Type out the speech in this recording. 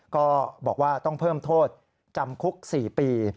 ก็บอกว่าต้องเพิ่มโทษจำคุก๔ปี